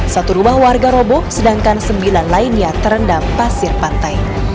satu rumah warga roboh sedangkan sembilan lainnya terendam pasir pantai